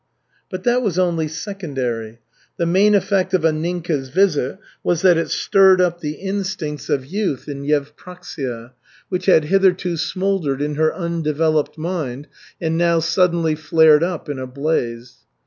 But that was only secondary. The main effect of Anninka's visit was that it stirred up the instincts of youth in Yevpraksia, which had hitherto smouldered in her undeveloped mind and now suddenly flared up in a blaze.